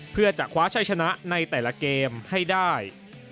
เพื่อจะคว้าชัยชนะในแต่ละเกมให้ได้